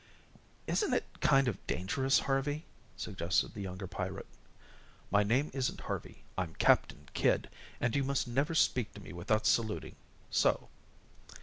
"Isn't it kind of dangerous, Harvey?" suggested the younger pirate. "My name isn't Harvey. I'm Captain Kidd, and you must never speak to me without saluting, so."